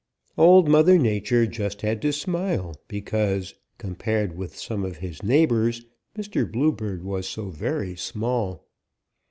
"Old Mother Nature just had to smile, because compared with some of his neighbors Mr. Bluebird was so very small.